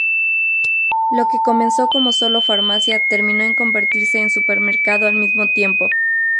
Lo que comenzó como solo farmacia terminó en convertirse en supermercado al mismo tiempo.